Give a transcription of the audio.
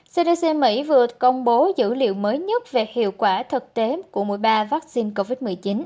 cdc mỹ vừa công bố dữ liệu mới nhất về hiệu quả thực tế của mỗi ba vaccine covid một mươi chín